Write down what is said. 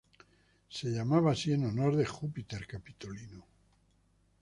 Se llamaba así en honor de Júpiter Capitolino.